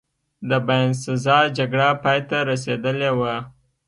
د باینسزا جګړه پایته رسېدلې وه.